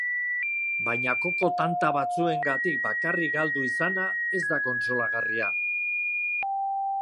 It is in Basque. Baina koko tanta batzuengatik bakarrik galdu izana ez da kontsolagarria.